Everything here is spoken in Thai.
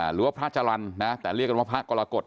หรือว่าพระจรรย์นะแต่เรียกกันว่าพระกรกฎ